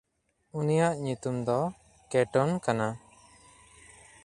ᱩᱱᱤᱭᱟᱜ ᱧᱩᱛᱩᱢ ᱫᱚ ᱠᱮᱴᱚᱱ ᱠᱟᱱᱟ᱾